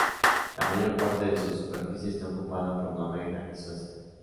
La mayor parte de su superficie está ocupada por Noruega y Suecia.